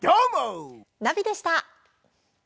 ナビでした！